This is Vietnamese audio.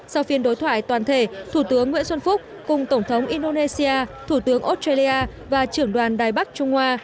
sau phiên đối thoại toàn thể thủ tướng nguyễn xuân phúc cùng tổng thống indonesia thủ tướng australia và trưởng đoàn đài bắc trung hoa